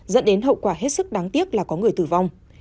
dẫn đến hậu quả hết sức đáng tiếc là có người tử vong